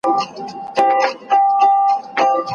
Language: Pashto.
زما رب ماته د ژوند زغر او ځاله راکړې ده.